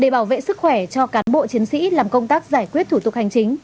để bảo vệ sức khỏe cho cán bộ chiến sĩ làm công tác giải quyết thủ tục hành chính